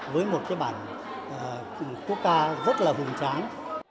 với một cái bản quốc ca rất là hùng tráng